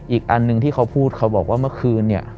อีกอันหนึ่งที่เขาพูดเขาบอกว่าเมื่อคืนเนี่ย